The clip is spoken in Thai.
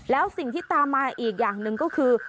แล้วสิ่งที่ตามมาอีกอย่างหนึ่งก็คือ